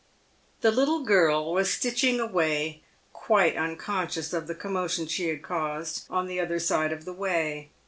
The little girl was stitching away quite unconscious of the commo tion she had caused on the other side of the way.